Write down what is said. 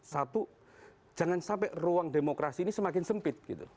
satu jangan sampai ruang demokrasi ini semakin sempit gitu